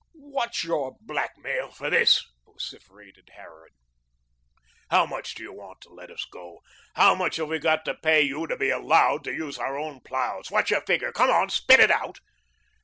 "What's your blackmail for this?" vociferated Harran. "How much do you want to let us go? How much have we got to pay you to be ALLOWED to use our own ploughs what's your figure? Come, spit it out."